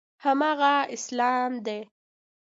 هماغه اسلام دی.